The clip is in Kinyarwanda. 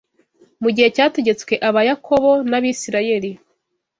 Mu gihe cyategetswe, Abayakobo n’Abisirayeli